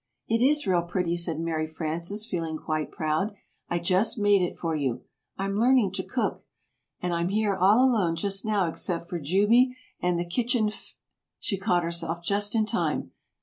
"It is real pretty," said Mary Frances, feeling quite proud. "I just made it for you. I'm learning to cook. My mother's away and I'm here all alone just now except for Jubey and the Kitchen F (she caught herself just in time).